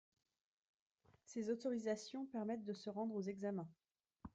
Ces autorisations permettent de se rendre aux examens.